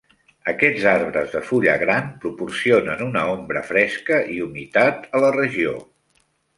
Aquests arbres de fulla gran proporcionen una ombra fresca i humitat a la regió.